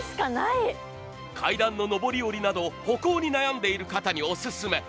階段の上り下りなど歩行に悩んでいる方にオススメ。